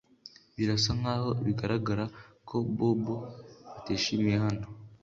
Birasa nkaho bigaragara ko Bobo atishimiye hano